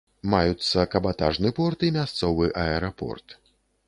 Маюцца кабатажны порт і мясцовы аэрапорт.